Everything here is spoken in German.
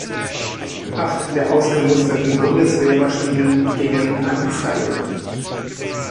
Acht der ausgemusterten Bundeswehr-Maschinen gingen an Israel.